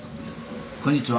こんにちは。